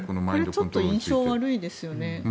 ちょっと印象悪いですよね。